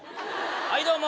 はいどうも。